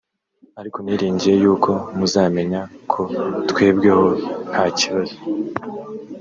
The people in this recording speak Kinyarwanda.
ariko niringiye yuko muzamenya ko twebweho nta kibazo